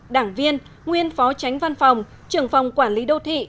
đảng viên nguyên phó tránh văn phòng trưởng phòng quản lý đô thị